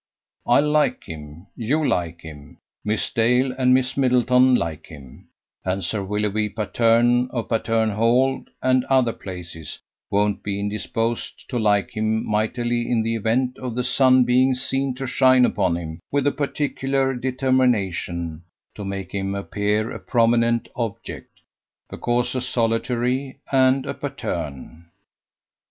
I like him, you like him, Miss Dale and Miss Middleton like him; and Sir Willoughby Patterne, of Patterne Hall and other places, won't be indisposed to like him mightily in the event of the sun being seen to shine upon him with a particular determination to make him appear a prominent object, because a solitary, and a Patterne." Dr.